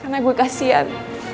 karena lo ngerasa gue bermain